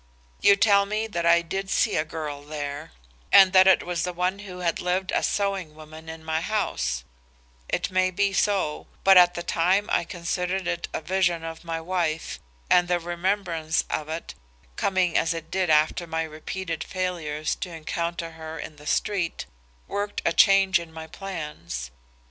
"You tell me that I did see a girl there, and that it was the one who had lived as sewing woman in my house; it may be so, but at the time I considered it a vision of my wife, and the remembrance of it, coming as it did after my repeated failures to encounter her in the street, worked a change in my plans.